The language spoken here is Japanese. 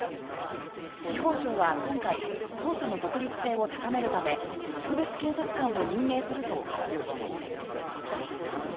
司法省は今回、捜査の独立性を高めるため特別検察官を任命すると発表しました。